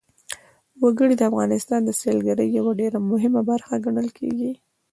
وګړي د افغانستان د سیلګرۍ یوه ډېره مهمه برخه ګڼل کېږي.